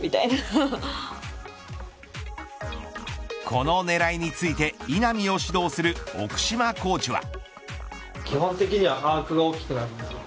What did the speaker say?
この狙いについて稲見を指導する奥嶋コーチは。